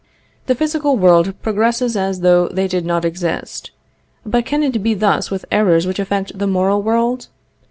The physical world progresses as though they did not exist. But can it be thus with errors which affect the moral world?